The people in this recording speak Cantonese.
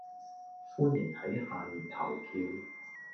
歡迎喺下面投票